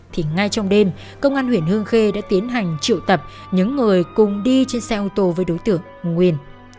thì ngay trong đêm công an huyện hương khê đã tiến hành triệu tập những người cùng đi trên xe ô tô với đối tượng nguyên